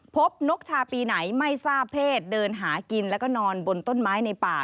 นกชาปีไหนไม่ทราบเพศเดินหากินแล้วก็นอนบนต้นไม้ในป่า